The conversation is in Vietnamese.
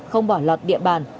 không bỏ lọt địa bàn